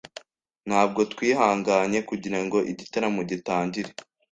Ntabwo twihanganye kugirango igitaramo gitangire.